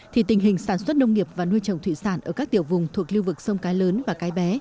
thì tình hình sản xuất nông nghiệp và nuôi trồng thủy sản ở các tiểu vùng thuộc lưu vực sông cái lớn và cái bé